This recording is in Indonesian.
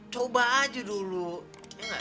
coba aja dulu ya nggak